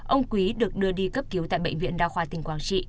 ông quý được đưa đi cấp cứu tại bệnh viện đa khoa tỉnh quảng trị